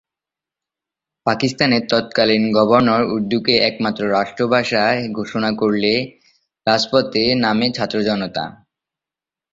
পাকিস্তানের তৎকালীন গভর্ণর উর্দুকে একমাত্র রাষ্ট্রিভাষা ঘোষণা করলে রাজপথে নামে ছাত্র জনতা।